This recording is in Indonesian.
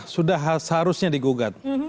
sudah seharusnya digugat